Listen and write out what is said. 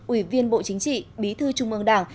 ủy viên bộ chính trị bí thư trung ương đảng